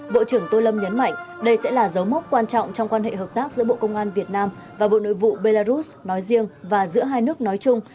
bộ trưởng tô lâm nhấn mạnh đây sẽ là dấu mốc quan trọng trong quan hệ hợp tác giữa bộ công an việt nam và bộ nội vụ belarus nói riêng và giữa hai nước nói chung